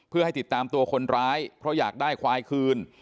เพื่อให้ติดตามตัวคนร้ายเพราะอยากได้ควายคืน